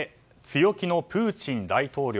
強気のプーチン大統領。